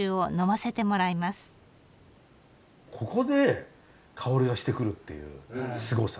ここで香りがしてくるっていうすごさ。